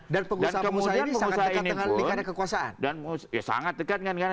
dan pengusaha pengusaha ini sangat dekat dengan adanya kekuasaan